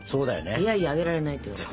いやいやあげられないって言われて。